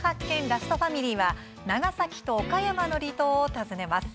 ラストファミリー」は長崎と岡山の離島を訪ねます。